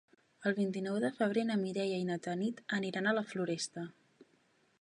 El vint-i-nou de febrer na Mireia i na Tanit aniran a la Floresta.